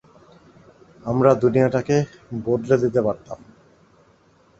আমরা দুনিয়াটাকে বদলে দিতে পারতাম।